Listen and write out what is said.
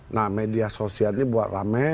nah media sosial ini buat rame